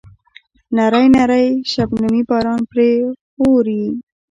نری نری شبنمي باران پرې اوروي.